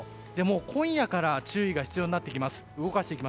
今夜から注意が必要になってきます。